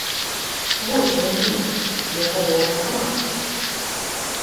Вось ён, вынік, яго можна памацаць.